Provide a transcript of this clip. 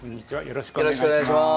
よろしくお願いします。